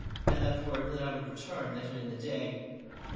I left wond that 1 would return later in the day.